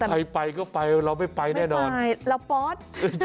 ใครไปก็ไปเราไม่ไปแน่นอนใช่เราป๊อต